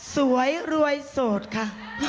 สวยรวยโสดค่ะ